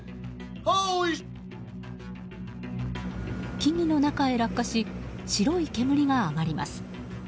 木々の中へ落下し白い煙が上がります。